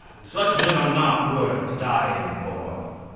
Such men are not worth dying for.